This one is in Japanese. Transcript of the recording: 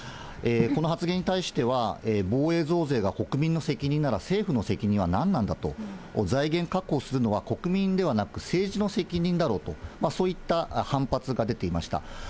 この発言に対しては、防衛増税が国民の責任なら、政府の責任は何なんだと、財源確保するのは国民ではなく、政治の責任だろうと、そういった反発が出ていました。